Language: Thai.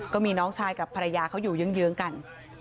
ก็มีน้องชายกับภรรยาเขาอยู่เยื้องกัน